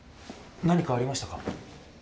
何かありましたか？